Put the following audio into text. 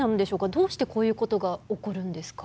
どうしてこういうことが起こるんですか？